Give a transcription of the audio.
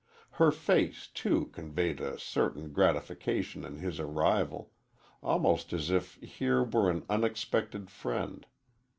Her face, too, conveyed a certain gratification in his arrival almost as if here were an expected friend.